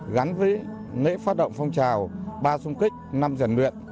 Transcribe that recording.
gắn với nghệ phát động phong trào ba sung kích năm ràng luyện